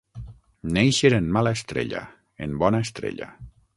Néixer en mala estrella, en bona estrella.